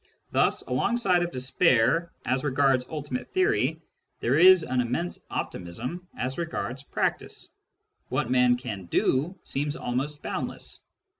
Thus alongside of despair as regards ultimate theory there is an immense optimism as regards practice : what man can do seems almost boundless.